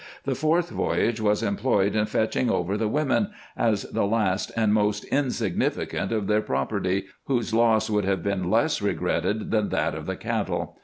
The fourth voyage was employed in fetching over the women, as the last and most insignificant of their property, whose loss would have been less regretted than that of the cattle.